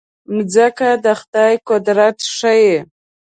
مځکه د خدای قدرت ښيي.